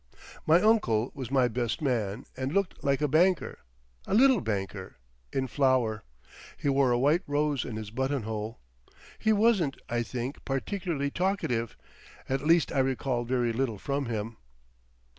My uncle was my best man, and looked like a banker—a little banker—in flower. He wore a white rose in his buttonhole. He wasn't, I think, particularly talkative. At least I recall very little from him.